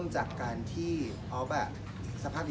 ไม่พอ